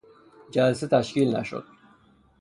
جلسه تشکیل نشد.